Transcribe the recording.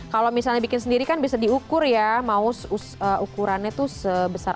kalau misalnya bikin sendiri kan bisa diukur ya mau ukurannya itu sebesar